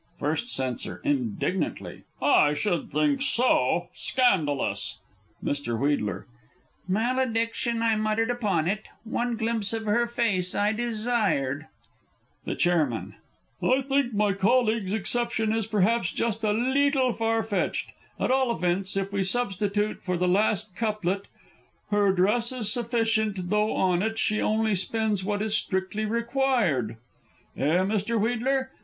First Censor (indignantly). I should think so Scandalous! Mr. W. "Malediction I muttered upon it, One glimpse of her face I desired." [Illustration: Licensing Day.] The Chairman. I think my colleague's exception is perhaps just a leetle far fetched. At all events, if we substitute for the last couplet, "Her dress is sufficient though on it She only spends what is strictly required." Eh, Mr. Wheedler?